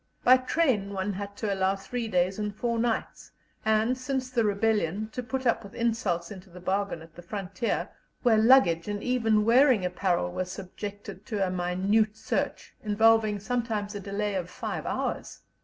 By train one had to allow three days and four nights, and, since the rebellion, to put up with insults into the bargain at the frontier, where luggage and even wearing apparel were subjected to a minute search, involving sometimes a delay of five hours.